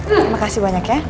terima kasih banyak ya